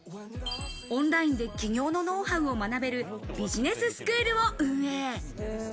オンラインで起業のノウハウを学べるビジネススクールを運営。